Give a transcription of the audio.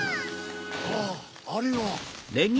ああれは。